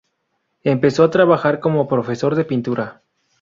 Empezó a trabajar como profesor de pintura.